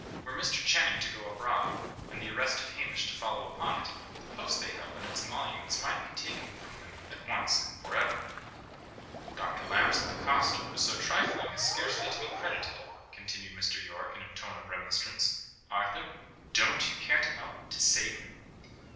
Were Mr. Channing to go abroad, and the arrest of Hamish to follow upon it, the post they held, and its emoluments, might be taken from them at once and for ever. "Dr. Lamb says the cost was so trifling as scarcely to be credited," continued Mr. Yorke in a tone of remonstrance. "Arthur, don't you care to help to save him?"